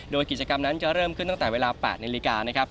โดยกิจกรรมนั้นจะเริ่มขึ้นตั้งแต่เวลา๘นาฬิกานะครับ